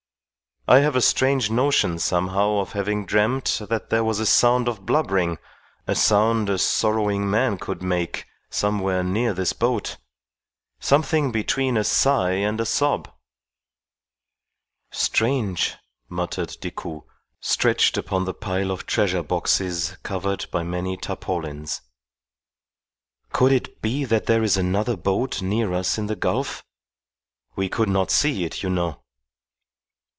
I have a strange notion somehow of having dreamt that there was a sound of blubbering, a sound a sorrowing man could make, somewhere near this boat. Something between a sigh and a sob." "Strange!" muttered Decoud, stretched upon the pile of treasure boxes covered by many tarpaulins. "Could it be that there is another boat near us in the gulf? We could not see it, you know."